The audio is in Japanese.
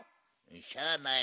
しゃあない。